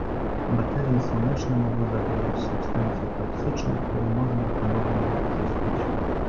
Baterie słoneczne mogą zawierać substancje toksyczne, które można ponownie wykorzystać